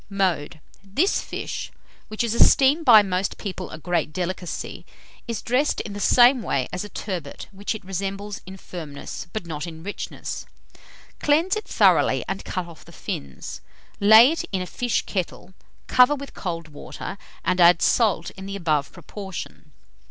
Mode. This fish, which is esteemed by most people a great delicacy, is dressed in the same way as a turbot, which it resembles in firmness, but not in richness. Cleanse it thoroughly and cut off the fins; lay it in a fish kettle, cover with cold water, and add salt in the above proportion.